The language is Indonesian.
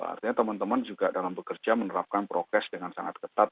artinya teman teman juga dalam bekerja menerapkan prokes dengan sangat ketat